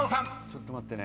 ちょっと待ってね。